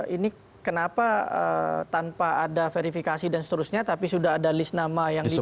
ini kenapa tanpa ada verifikasi dan seterusnya tapi sudah ada list nama yang diminta